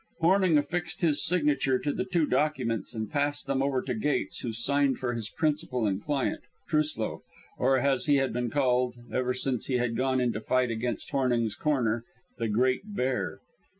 Hornung affixed his signature to the two documents and passed them over to Gates, who signed for his principal and client, Truslow or, as he had been called ever since he had gone into the fight against Hornung's corner the Great Bear.